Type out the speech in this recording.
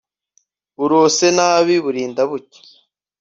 urose nabi burinda bucya